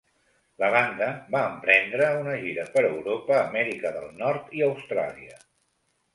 La banda va emprendre una gira per Europa, Amèrica del Nord i Austràlia.